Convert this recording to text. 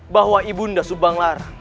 bahwa ibunda subanglar